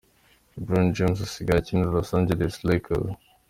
LeBron James asigaye akinira Los Angeles Lakers.